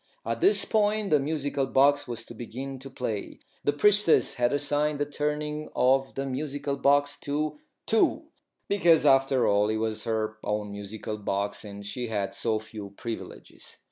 At this point the musical box was to begin to play. The Priestess had assigned the turning of the musical box to Two, because, after all, it was her own musical box, and she had so few privileges.